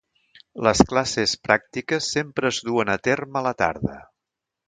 Les classes pràctiques sempre es duen a terme a la tarda.